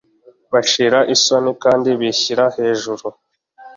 bashira isoni kandi bishyira hejuru